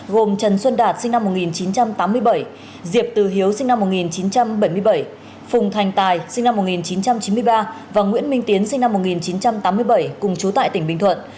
gồm trần xuân đạt sinh năm một nghìn chín trăm tám mươi bảy diệp từ hiếu sinh năm một nghìn chín trăm bảy mươi bảy phùng thành tài sinh năm một nghìn chín trăm chín mươi ba và nguyễn minh tiến sinh năm một nghìn chín trăm tám mươi bảy cùng chú tại tỉnh bình thuận